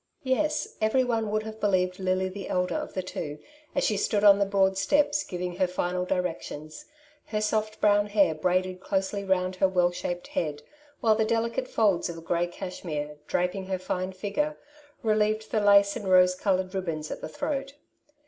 Yes, every one would have believed Lily the elder of the two as she stood on the broad steps giving her final directions, her soft brown hair braided closely round her well shaped head, while the delicate folds of a grey cashmere, draping her fine figure, re lieved the lace and rose coloured ribbons at the throat.